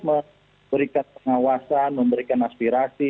memberikan pengawasan memberikan aspirasi